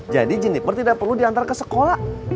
jadi jeniper tidak perlu diantar ke sekolah